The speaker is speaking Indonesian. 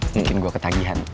mungkin gue ketagihan